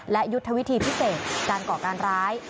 และยุทธวิธีพิเศษการก่อการร้าย